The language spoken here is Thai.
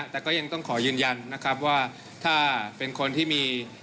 แต่ก็ยังต้องขอยืนยันนะครับว่าถ้าเป็นคนที่มี